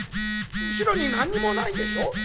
後ろに何にもないでしょ？